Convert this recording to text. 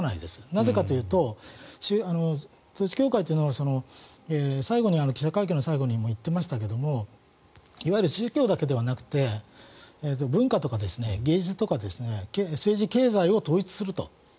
なぜかというと統一教会というのは記者会見の最後にも言っていましたがいわゆる宗教だけではなくて文化とか芸術とか政治経済を統一すると。